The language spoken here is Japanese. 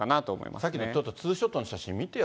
さっきの、ちょっとツーショットの写真、見てよ。